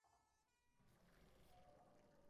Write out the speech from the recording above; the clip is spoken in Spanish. Su instrumento es el Saxofón tenor.